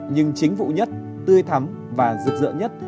nhưng chính vụ nhất tươi thắm và rực rỡ nhất